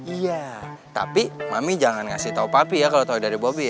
iya tapi mami jangan ngasih tahu papi ya kalau tahu dari bobi ya